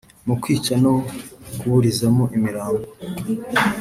mu kwica no kuburizamo imirambo,